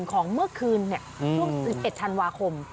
ปี๑ของเมื่อคืนเวลา๑๑ธันวาคม